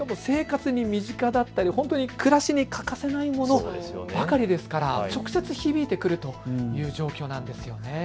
生活に身近だったり暮らしに欠かせないものばかりですから、直接、響いてくるという状況なんです。